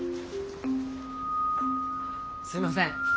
すいません。